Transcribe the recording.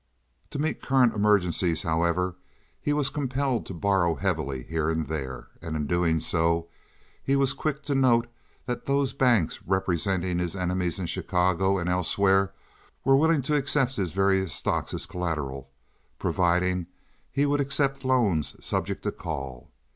To meet current emergencies, however, he was compelled to borrow heavily here and there, and in doing so he was quick to note that those banks representing his enemies in Chicago and elsewhere were willing to accept his various stocks as collateral, providing he would accept loans subject to call.